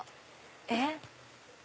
えっ？